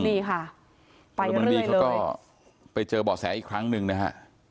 นี่ค่ะพลเมืองดีเขาก็ไปเจอเบาะแสอีกครั้งหนึ่งนะฮะ